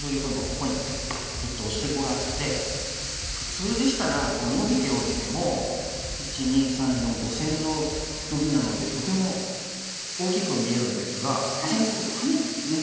ここに打ってオシてこられて普通でしたらこうノビておいても１２３４５線のノビなのでとても大きく見えるんですが愛咲美先生ハネたんですね。